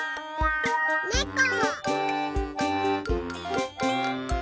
ねこ。